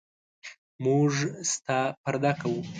موږ ستا پرده کوو.